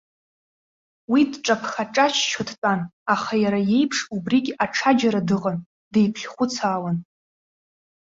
Уи дҿаԥха-ҿаччо дтәан, аха иара иеиԥш убригь аҽаџьара дыҟан, деиԥхьхәыцаауан.